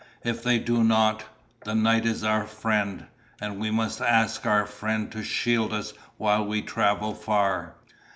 If they do not, the night is our friend. And we must ask our friend to shield us while we travel far."